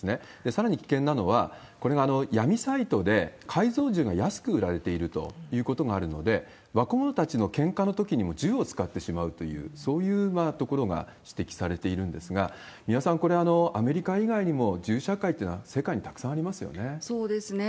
さらに危険なのは、これ、闇サイトで改造銃が安く売られているということがあるので、若者たちのけんかのときにも銃を使ってしまうという、そういうところが指摘されているんですが、三輪さん、これ、アメリカ以外にも銃社会ってのは世界にたくさんありますよね。